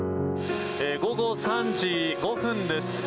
午後３時５分です。